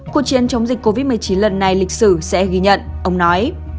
cuộc chiến chống dịch covid một mươi chín lần này lịch sử sẽ ghi nhận ông nói